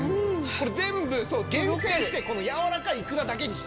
これ全部厳選してやわらかいいくらだけにしてるんですね。